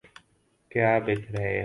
کیا بک رہے ہو؟